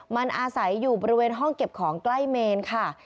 มันอาศัยอยู่บริเวณห้องเก็บของใกล้เมนค่ะ